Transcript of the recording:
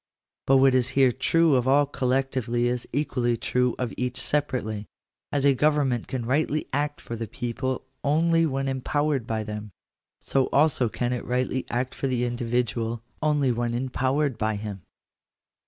But what is here true of all collectively is equally true of each separately. As a government can rightly act for the people, only when empowered by them, so also can it rightly act for the individual, only when empowered by him.